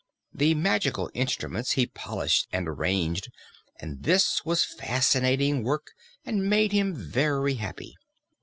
The magical instruments he polished and arranged, and this was fascinating work and made him very happy.